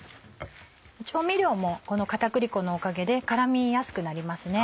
調味料もこの片栗粉のおかげで絡みやすくなりますね。